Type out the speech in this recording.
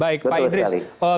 baik pak idris